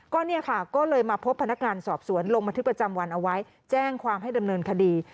ก็เลยมาพบพนักงานสอบสวนลงมาที่ประจำวันเอาไว้แจ้งความให้ดำเนินคดี